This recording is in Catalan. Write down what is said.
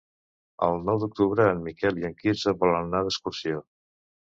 El nou d'octubre en Miquel i en Quirze volen anar d'excursió.